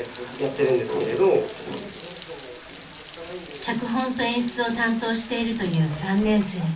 脚本と演出を担当しているという３年生。